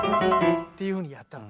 っていうふうにやったのね。